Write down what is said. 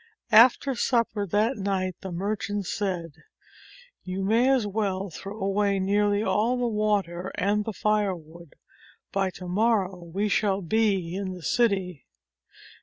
After supper that night the merchant said : 'You may as well throw away nearly all the water and the firewood. By to morrow we shall be in the city.